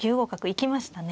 行きましたね。